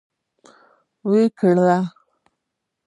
وکرله